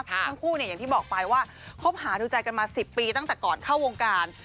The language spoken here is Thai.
ทั้งคู่อย่างที่บอกไปว่าคบหาดูใจกันมา๑๐ปีตั้งแต่ก่อนเข้าวงการ